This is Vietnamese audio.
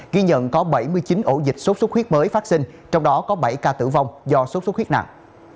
ghi nhận có bảy mươi chín ổ dịch sốt xuất huyết mới phát sinh trong đó có bảy ca tử vong do sốt xuất huyết nặng